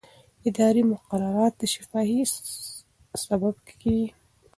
اداري مقررات د شفافیت سبب کېږي.